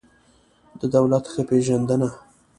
د دولت ښه پېژندنه